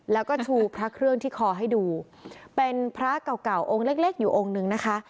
แล้วก็ชูพระเครื่องที่คอให้ดูเป็นพระเก่าเก่าองค์เล็กเล็กอยู่องค์หนึ่งนะคะ